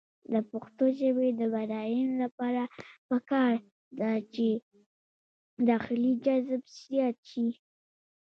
د پښتو ژبې د بډاینې لپاره پکار ده چې داخلي جذب زیات شي.